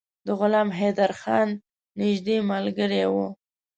د غلام حیدرخان نیژدې ملګری وو.